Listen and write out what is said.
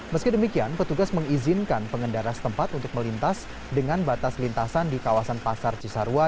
meski demikian petugas mengizinkan pengendara setempat untuk melintas dengan batas lintasan di kawasan pasar cisarua